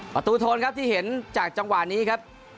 โทนครับที่เห็นจากจังหวะนี้ครับ